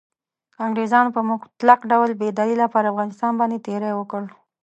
انګریزانو په مطلق ډول بې دلیله پر افغانستان باندې تیری وکړ.